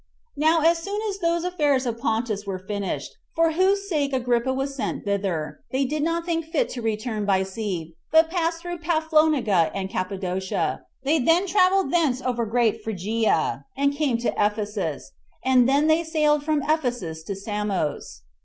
Now as soon as those affairs of Pontus were finished, for whose sake Agrippa was sent thither, they did not think fit to return by sea, but passed through Paphlagonia and Cappadocia; they then traveled thence over great Phrygia, and came to Ephesus, and then they sailed from Ephesus to Samos.